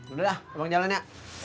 udah abang jalan ya